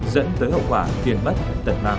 dẫn tới hậu quả tiền bất tật năng